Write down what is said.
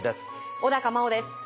小茉緒です。